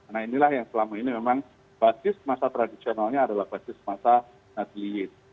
nah inilah yang selama ini memang basis masa tradisionalnya adalah basis masa nadliyid